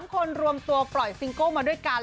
คนรวมตัวปล่อยซิงเกิ้ลมาด้วยกัน